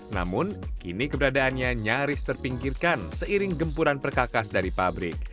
namun kini keberadaannya nyaris terpinggirkan seiring gempuran perkakas dari pabrik